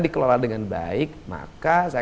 dikelola dengan baik maka saya